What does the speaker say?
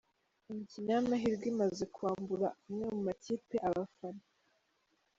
Imikino y’amahirwe imaze kwambura amwe mu makipe abafana